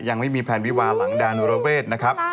ยังไม่มีแพลนวิวาหลังแดนเวทนะครับ